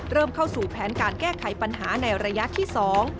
เข้าสู่แผนการแก้ไขปัญหาในระยะที่สอง